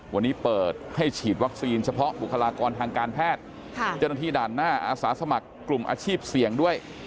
วันนี้เปิดให้ฉีดวัคซีนเฉพาะบุคลากรทางการแพทย์เจ้าหน้าที่ด่านหน้าอาสาสมัครกลุ่มอาชีพเสี่ยงด้วย